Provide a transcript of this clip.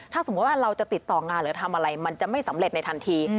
ถ้าสมมุติว่าเราจะติดต่องานหรือทำอะไรมันจะไม่สำเร็จในทันที